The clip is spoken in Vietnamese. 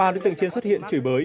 ba đối tượng trên xuất hiện chửi bới